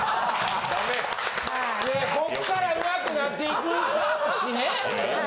こっから上手くなっていくかも。